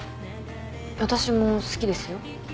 私も好きですよ。